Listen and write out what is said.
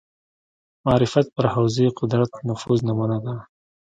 معرفت پر حوزې قدرت نفوذ نمونه ده